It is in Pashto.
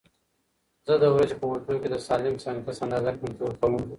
زه د ورځې په اوږدو کې د سالم سنکس اندازه کنټرول کوم.